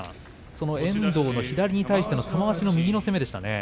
その遠藤の左に対して玉鷲の右の攻めでしたね。